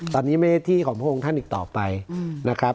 ตอนนี้ไม่ได้ที่ของพระองค์ท่านอีกต่อไปนะครับ